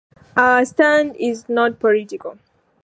Our stand is not political.